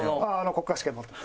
国家試験持ってる。